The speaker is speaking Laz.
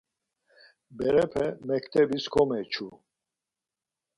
Berepe mektebis komeçu.